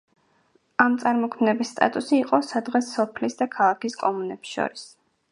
ამ წარმონაქმნების სტატუსი იყო სადღაც სოფლის და ქალაქის კომუნებს შორის.